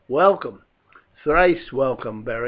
"Welcome! thrice welcome, Beric!